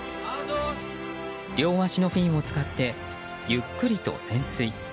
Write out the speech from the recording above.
両足のフィンを使ってゆっくりと潜水。